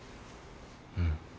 うん。